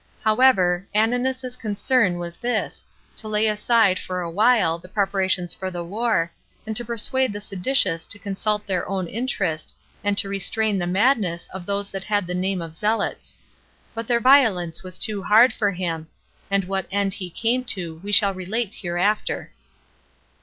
However, Ananus's concern was this, to lay aside, for a while, the preparations for the war, and to persuade the seditious to consult their own interest, and to restrain the madness of those that had the name of zealots; but their violence was too hard for him; and what end he came to we shall relate hereafter.